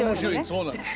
そうなんですよ。